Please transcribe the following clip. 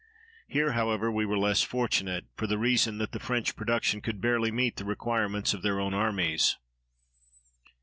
Here, however, we were less fortunate, for the reason that the French production could barely meet the requirements of their own armies.